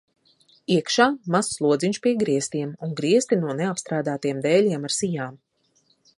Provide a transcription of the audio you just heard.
Iekšā mazs lodziņš pie griestiem, un griesti no neapstrādātiem dēļiem ar sijām.